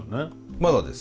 まだです。